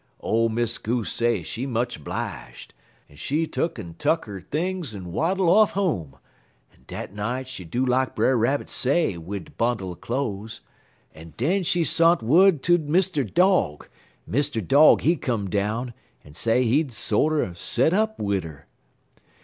"Ole Miss Goose say she much 'blige, en she tuck'n tuck her things en waddle off home, en dat night she do lak Brer Rabbit say wid de bundle er cloze, en den she sont wud ter Mr. Dog, en Mr. Dog he come down, en say he'd sorter set up wid 'er.